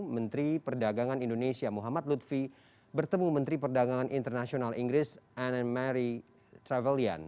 menteri perdagangan indonesia muhammad lutfi bertemu menteri perdagangan internasional inggris anne mary travelian